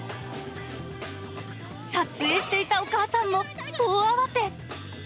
撮影していたお母さんも大慌